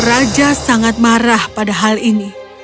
raja sangat marah pada hal ini